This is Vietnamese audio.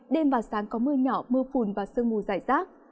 đêm và sáng có mưa nhỏ mưa phùn và sơ mù giải rác